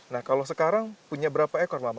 nah kalau sekarang punya berapa ekor mama